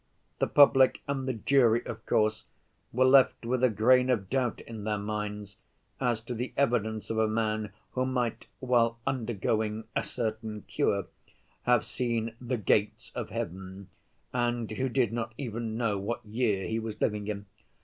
The public and the jury, of course, were left with a grain of doubt in their minds as to the evidence of a man who might, while undergoing a certain cure, have seen "the gates of heaven," and who did not even know what year he was living in.